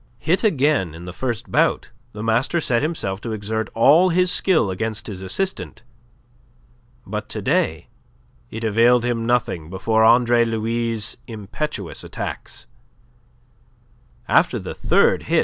Hit again in the first bout, the master set himself to exert all his skill against his assistant. But to day it availed him nothing before Andre Louis' impetuous attacks. After the third hit, M.